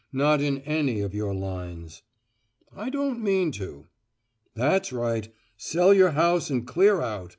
Not in any of your lines." "I don't mean to." "That's right. Sell your house and clear out.